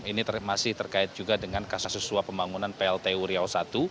ini masih terkait juga dengan kasus suap pembangunan pltu riau i